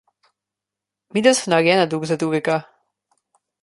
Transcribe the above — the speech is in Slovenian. Midva sva narejena drug za drugega!